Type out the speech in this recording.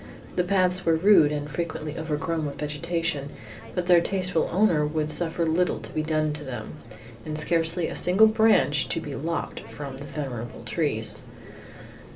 The paths were rude and frequently overgrown with vegetation, but their tasteful owner would suffer little to be done to them, and scarcely a single branch to be lopped from the venerable trees.